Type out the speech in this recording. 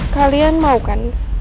kalian mau kan